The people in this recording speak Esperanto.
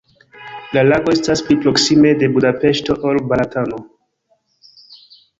La lago estas pli proksime de Budapeŝto, ol Balatono.